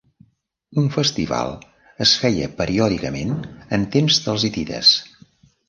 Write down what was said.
Un festival es feia periòdicament en temps dels hitites.